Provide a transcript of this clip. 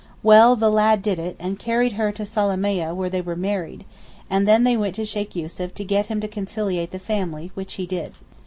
Well, the lad did it, and carried her to Salamieh where they were married, and then they went to Sheykh Yussuf to get him to conciliate the family, which he did.